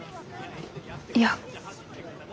いや。